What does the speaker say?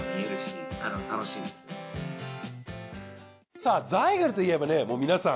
さあザイグルといえばもう皆さん。